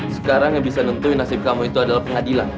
sekarang yang bisa nentuin nasib kamu itu adalah pengadilan